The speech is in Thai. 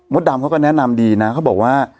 ดำเขาก็แนะนำดีนะเขาบอกว่า